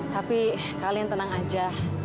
tapi kalian tenang aja